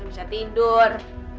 gak bisa tidur